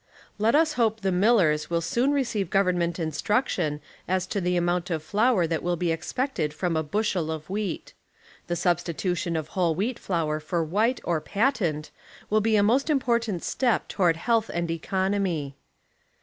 Let us hope the millers will soon receive government instruction as to the amount of flour that will be expected from a bushel of wheat. The substi tution of whole wheat flour for white or "patent" will be a most important step toward health and economy.